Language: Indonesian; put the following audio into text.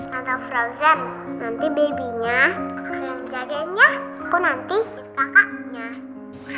tante frozen nanti bayinya keren jagainya aku nanti kakaknya